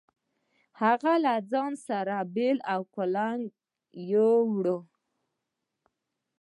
هغه له ځان سره بېل او کُلنګ يو وړل.